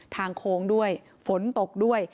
โค้งด้วยฝนตกด้วย